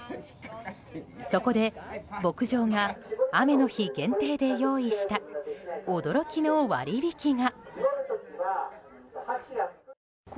そこで、牧場が雨の日限定で用意した驚きの割引が。